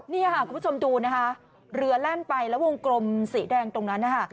นี่คุณผู้ชมดูเรือแล่งไปแล้ววงกลมสีแดงตรงนั้น